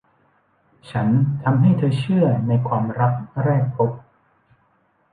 ฉันทำให้เธอเชื่อในความรักแรกพบ